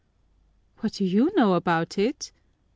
"What do you know about it?"